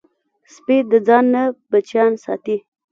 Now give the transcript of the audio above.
سپي د ځان نه بچیان ساتي.